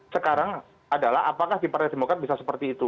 sekarang adalah apakah di partai demokrat bisa seperti itu